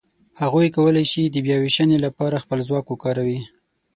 هغوی کولای شي د بیاوېشنې لهپاره خپل ځواک وکاروي.